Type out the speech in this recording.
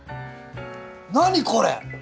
何これ？